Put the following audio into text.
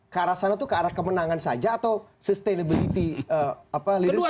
ke arah sana itu ke arah kemenangan saja atau sustainability leadership